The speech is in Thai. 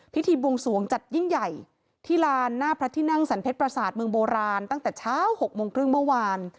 พิธีบวงสวงจัดยิ่งใหญ่ที่ลานหน้าพระที่นั่งสรรเพชรประสาทเมืองโบราณตั้งแต่เช้า๖โมงครึ่งเมื่อวาน